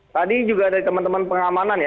tadi juga dari teman teman pengamanan ya